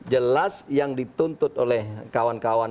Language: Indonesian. jelas yang dituntut oleh kawan kawan